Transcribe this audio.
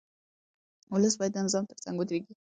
ولس باید د نظام ترڅنګ ودرېږي.